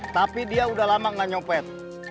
tapi dia udah lama gak nyopet